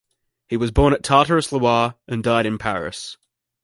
He was born at Tartaras, Loire, and died in Paris.